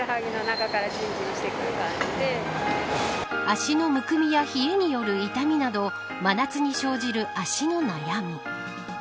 足のむくみや冷えによる痛みなど真夏に生じる、足の悩み。